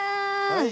はい。